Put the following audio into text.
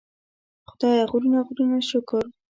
خدایه غرونه غرونه شکر.